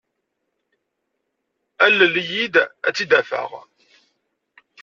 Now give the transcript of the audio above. Alel-iyi ad tt-id-afeɣ.